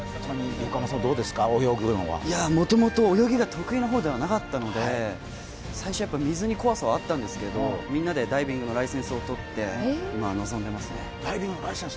もともと泳ぎが得意な方ではなかったので最初、水に怖さはあったんですけどみんなでダイビングのライセンスを取って今、臨んでますね。